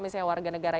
kita mau warga negara